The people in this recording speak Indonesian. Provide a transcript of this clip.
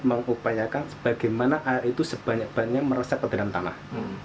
mengupayakan bagaimana air itu sebanyak banyak meresap ke dalam tanah